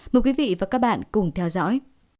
mời quý vị và các bạn cùng theo dõi